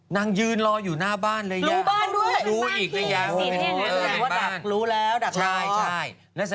นางยืนรออยู่หน้าบ้านเลย